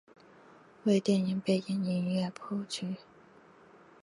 为电影背景音乐谱曲。